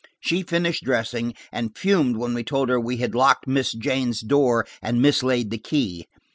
She finished dressing, and fumed when we told her we had locked Miss Jane's door and mislaid the key.